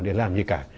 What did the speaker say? để làm gì cả